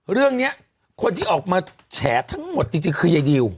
เรื่องนี้คนที่ออกมาแฉทั้งหมดจริงคือยายดิว